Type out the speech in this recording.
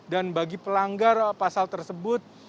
dan bagi pelanggar pasal tersebut